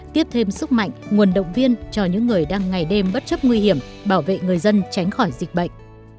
tiếp thêm sức mạnh nguồn động viên cho những người đang ngày đêm bất chấp nguy hiểm bảo vệ người dân tránh khỏi dịch bệnh